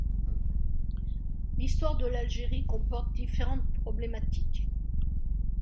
L'Histoire de l'Algérie comporte différentes problématiques.